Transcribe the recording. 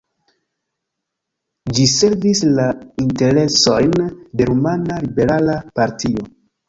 Ĝi servis la interesojn de rumana liberala partio.